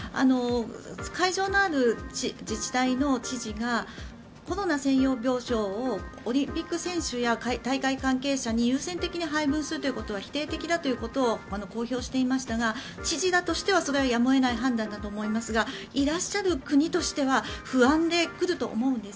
会場のある自治体の知事がコロナ専用病床をオリンピック選手や大会関係者に優先的に配分するということは否定的だということを公表していましたが知事らとしては、それはやむを得ない判断だと思いますがいらっしゃる国としては不安で来ると思うんです。